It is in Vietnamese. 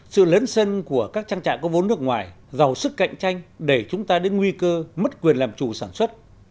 sự lấn sân của các trang trại có vốn nước ngoài giàu sức cạnh tranh đẩy chúng ta đến nguy cơ mất quyền làm chủ sản xuất